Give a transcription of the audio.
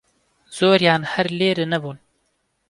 زۆریان هەر لێرە نەبوون